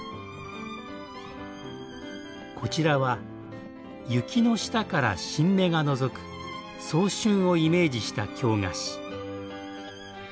こちらは雪の下から新芽がのぞく早春をイメージした京菓子。